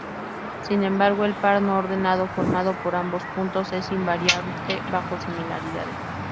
Sin embargo, el par no ordenado formado por ambos puntos es invariante bajo similaridades.